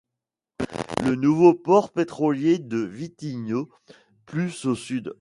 Le nouveau port pétrolier de Vitino, plus au sud.